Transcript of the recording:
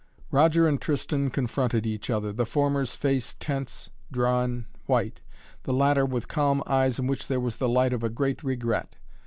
Roger and Tristan confronted each other, the former's face tense, drawn, white; the latter with calm eyes in which there was the light of a great regret.